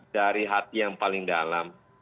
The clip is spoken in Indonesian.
dari hati yang paling dalam